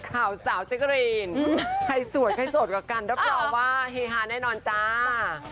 รับหล่อว่าเฮฮาแน่นอนจ้า